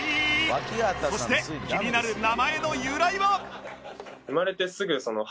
そして気になる名前の由来は？